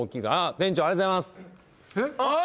店長ありがとうございますああ